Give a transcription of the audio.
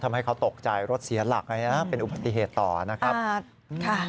ทำให้เขาตกใจรถเสียหลักเป็นอุบัติเหตุต่อนะครับ